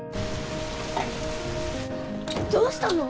どうしたの？